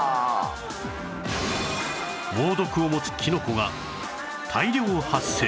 猛毒を持つキノコが大量発生